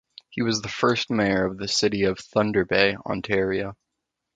He was the first mayor of the City of Thunder Bay, Ontario.